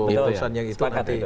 pertanyaannya itu nanti